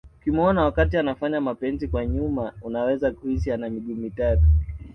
Ukimuona wakati anafanya mapenzi kwa nyuma unaweza kuhisi ana miguu mitatu